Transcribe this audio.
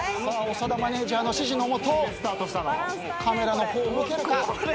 長田マネージャーの指示のもとカメラの方を向けるか？